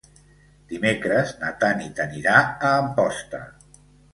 Dimecres na Tanit anirà a Amposta.